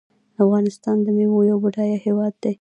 افغانستان د میوو یو بډایه هیواد دی.